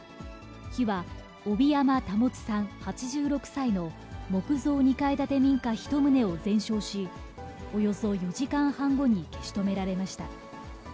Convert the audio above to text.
火は帶山保さん８６歳の木造２階建て民家１棟を全焼し、およそ４時間半後に消し止められました。